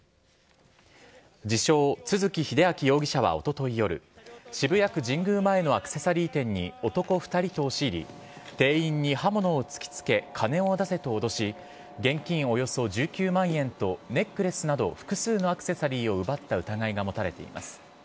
自称、都築英明容疑者はおととい夜、渋谷区神宮前のアクセサリー店に男２人と押し入り、店員に刃物を突きつけ、金を出せと脅し、現金およそ１９万円とネックレスなど、複数のアクセサリーを奪った疑いが持たれています。